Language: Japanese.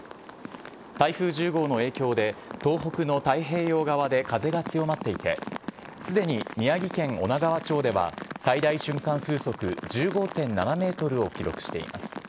台風１０号の影響で、東北の太平洋側で風が強まっていて、すでに宮城県女川町では最大瞬間風速１５．７メートルを記録しています。